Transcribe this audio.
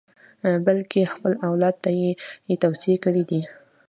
بلکې خپل اولاد ته یې توصیې کړې دي.